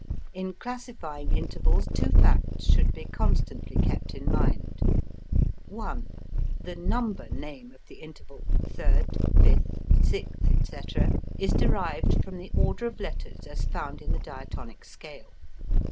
In classifying intervals two facts should be constantly kept in mind: (1) The number name of the interval (third, fifth, sixth, etc.), is derived from the order of letters as found in the diatonic scale.